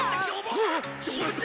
ああっ！しまった！